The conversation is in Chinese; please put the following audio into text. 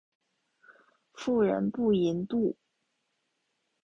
妇人不淫妒。